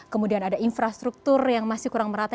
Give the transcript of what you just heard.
kemudian ada infrastruktur yang masih kurang merata